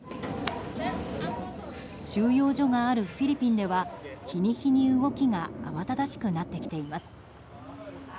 収容所があるフィリピンでは日に日に、動きが慌ただしくなってきています。